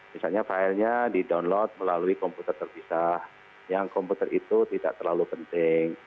misalnya filenya di download melalui komputer terpisah yang komputer itu tidak terlalu penting